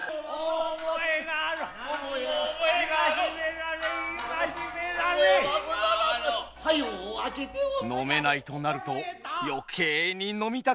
飲めないとなると余計に飲みたくなるのが酒飲みの性。